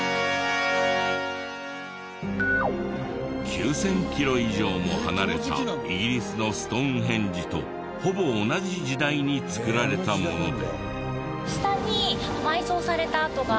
９０００キロ以上も離れたイギリスのストーンヘンジとほぼ同じ時代に造られたもので。